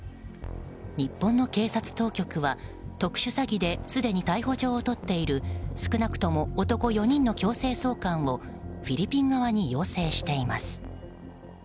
日本の警察当局は特殊詐欺ですでに逮捕状を取っている少なくとも男４人の強制送還をフィリピン側に要請しています。